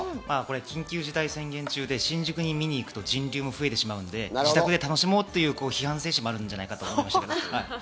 緊急事態宣言中で新宿に見に行くと人流が増えるので、自宅で楽しもうという批判精神もあるんじゃないかと思いました。